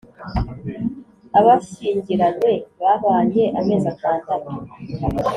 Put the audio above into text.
abashyingiranywe babanye amezi atandatu